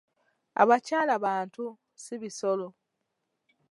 Abyakala bantu, si bisolo.